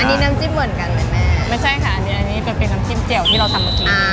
อันนี้น้ำจิ้มเหมือนกันไหมไม่ใช่ค่ะอันนี้เป็นเป็นน้ำจิ้มเจลที่เราทำตัวนี้อ่า